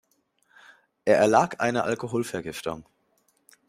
Er erlag einer Alkoholvergiftung.